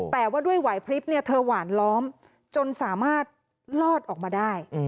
แต่ว่าด้วยไหวพลิบเนี่ยเธอหวานล้อมจนสามารถลอดออกมาได้